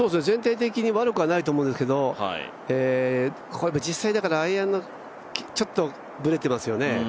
全体的に悪くはないと思うんですけど、実際、アイアンがちょっとぶれてますよね。